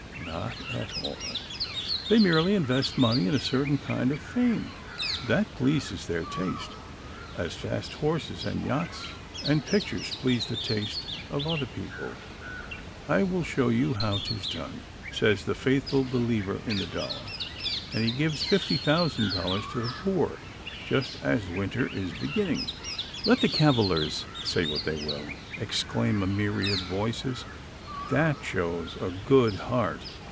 Not at all. They merely invest money in a certain kind of fame. That pleases their taste, as fast horses and yachts and pictures please the taste of other people. I will show you how 'tis done, says the faithful believer in the Dollar. And he gives fifty thousand dollars to the poor just as winter is beginning. "Let the cavillers say what they will," exclaim a myriad voices, "that shows a good heart."